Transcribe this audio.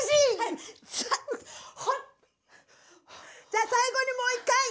じゃあ最後にもう一回！